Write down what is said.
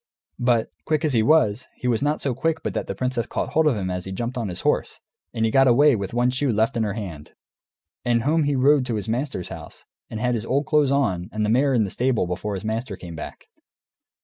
But, quick as he was, he was not so quick but that the princess caught hold of him as he jumped on his horse, and he got away with one shoe left in her hand. And home he rode, to his master's house, and had his old clothes on and the mare in the stable before his master came back.